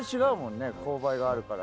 勾配があるから。